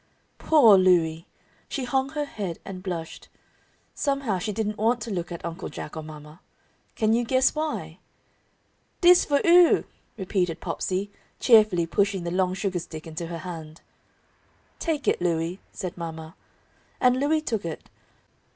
Poor Louie! She hung her head and blushed. Somehow she didn't want to look at Uncle Jack or mama. Can you guess why? "Dis for 'ou!" repeated Popsey, cheerfully, pushing the long sugar stick into her hand. "Take it, Louie," said mama. And Louie took it.